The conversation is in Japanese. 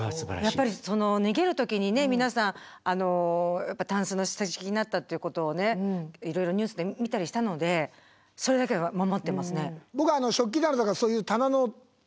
やっぱり逃げる時にね皆さんタンスの下敷きになったっていうことをいろいろニュースで見たりしたのでそれだけは守ってますね。